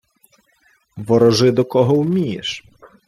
— Ворожи, до кого вмієш.